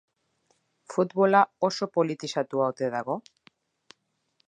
Futbola oso politizatuta ote dago?